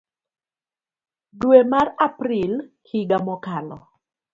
dwe mar April higa mokalo.